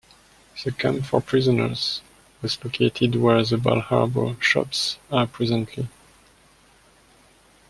The camp for prisoners was located where the Bal Harbour Shops are presently.